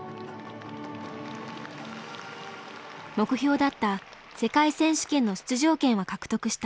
目標だった世界選手権の出場権は獲得した。